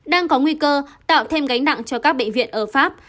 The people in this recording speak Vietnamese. đang có nguy cơ tạo thêm gánh nặng cho các bệnh viện ở pháp